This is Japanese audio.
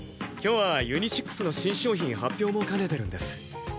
今日はユニシックスの新商品発表も兼ねてるんです。